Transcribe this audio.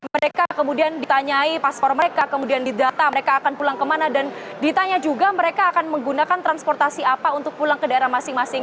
mereka kemudian ditanyai paspor mereka kemudian didata mereka akan pulang kemana dan ditanya juga mereka akan menggunakan transportasi apa untuk pulang ke daerah masing masing